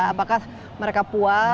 apakah mereka puas atau